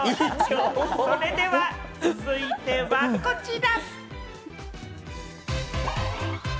それでは続いてはこちら。